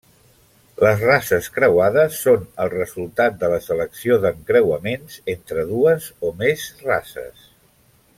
Les races creuades són el resultat de la selecció d'encreuaments entre dues o més races.